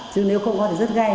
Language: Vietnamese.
chứ nếu không có thì rất gây